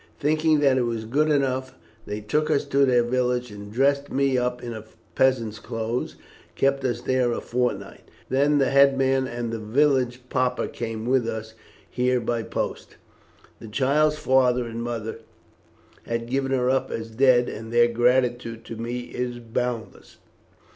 Thinking that it was good enough, they took us to their village and dressed me up in peasant's clothes, and kept us there a fortnight. Then the head man and the village Papa came with us here by post. The child's father and mother had given her up as dead, and their gratitude to me is boundless.